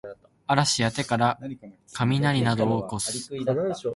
嵐や手からかみなりなどをおこす